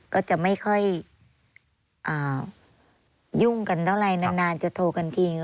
ก็จะไม่ค่อยยุ่งกันเท่าไรนานจะโทรกันที